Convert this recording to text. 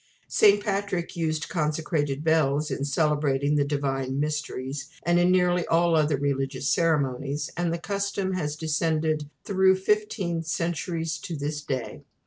St. Patrick used consecrated bells in celebrating the Divine Mysteries, and in nearly all other religious ceremonies, and the custom has descended through fifteen centuries to this day.